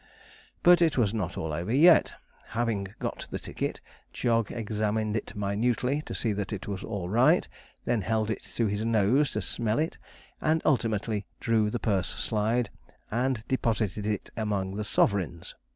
But it was not all over yet. Having got the ticket Jog examined it minutely, to see that it was all right, then held it to his nose to smell it, and ultimately drew the purse slide, and deposited it among the sovereigns.